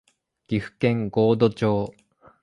岐阜県神戸町